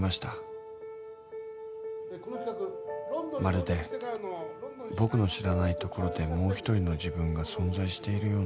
［まるで僕の知らないところでもう一人の自分が存在しているような］